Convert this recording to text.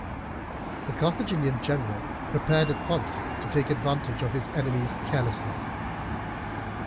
The Carthaginian general prepared at once to take advantage of his enemy's carelessness.